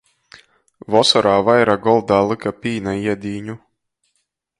Vosorā vaira goldā lyka pīna iedīņu.